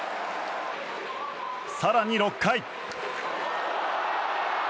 更に６回。